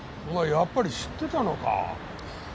やっぱり知ってたのか。